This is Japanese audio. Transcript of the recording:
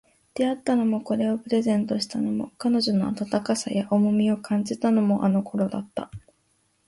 出会ったのも、これをプレゼントしたのも、彼女の温かさや重みを感じたのも、あの頃だった